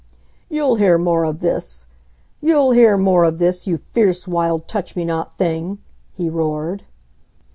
"You'll hear more of this! You'll hear more of this! You fierce, wild, touch me not thing," he roared.